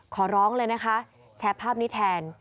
ขอร้องเลยนะคะแชร์ภาพนี้แทน